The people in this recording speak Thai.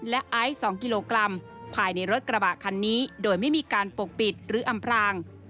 และไอซ์๒กิโลกรัมภายในรถกระบะคันนี้โดยไม่มีการปกปิดหรืออำพราง